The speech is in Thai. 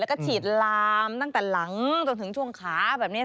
แล้วก็ฉีดลามตั้งแต่หลังจนถึงช่วงขาแบบนี้